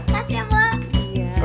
kasih ya bu